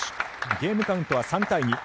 ゲームカウントは３対２。